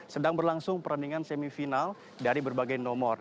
sedang berlangsung perendingan semifinal dari berbagai nomor